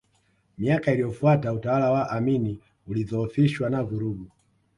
Miaka iliyofuata utawala wa Amin ulidhoofishwa na vurugu